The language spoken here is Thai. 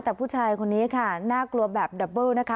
แต่หัวชายคนมันน่ากลัวแบบดับเบอร์นะคะ